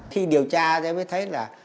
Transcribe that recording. khi điều tra thì mới thấy là